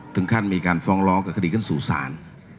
ถึงขั้นมีการฟ้องร้องกับคดีขึ้นสู่ศาล